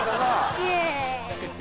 イエーイ！